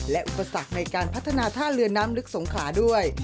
และอุปสรรคในการพัฒนาท่าเรือน้ำลึกสงขลาด้วย